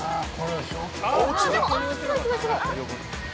でも、すごいすごい、すごい。